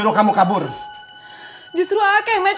beli mulutnya kamu lah tarb listanya